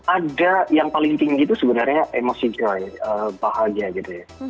ada yang paling tinggi itu sebenarnya emosinya bahagia gitu ya